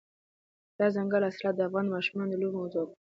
دځنګل حاصلات د افغان ماشومانو د لوبو موضوع ده.